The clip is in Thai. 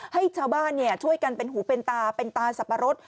ให้ชาวบ้านช่วยกันเป็นหูเป็นตาเป็นตาสับปะรด